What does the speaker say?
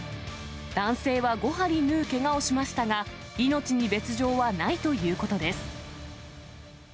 男性は５針縫うけがをしましたが、命に別状はないということです。